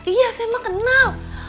iya saya emang kenal